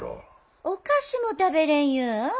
お菓子も食べれん言うん？